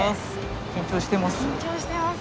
緊張してます？